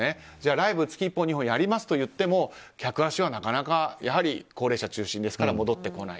ライブ、月１本、２本やりますと言っても客足は高齢者中心ですから戻ってこない。